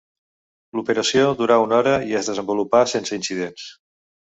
L'operació durà una hora i es desenvolupà sense incidents.